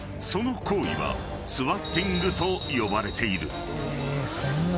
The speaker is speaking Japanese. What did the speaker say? ［その行為はスワッティングと呼ばれている］